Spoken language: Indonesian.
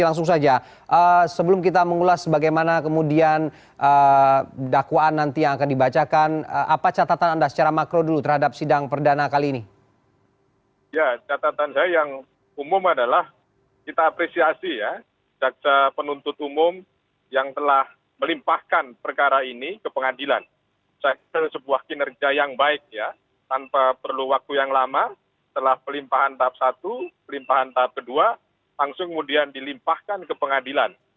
tanpa perlu waktu yang lama setelah pelimpahan tahap satu pelimpahan tahap kedua langsung kemudian dilimpahkan ke pengadilan